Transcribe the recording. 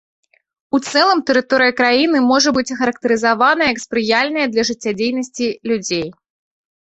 У цэлым тэрыторыя краіны можа быць ахарактарызавана як спрыяльная для жыццядзейнасці людзей.